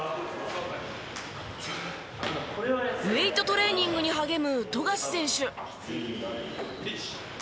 ウェートトレーニングに励む富樫選手。